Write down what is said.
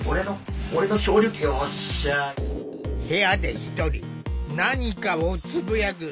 部屋で１人何かをつぶやく